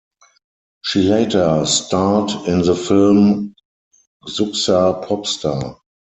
She later starred in the film "Xuxa Popstar".